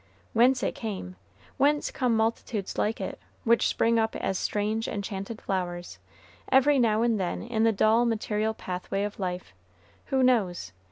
Whence it came, whence come multitudes like it, which spring up as strange, enchanted flowers, every now and then in the dull, material pathway of life, who knows?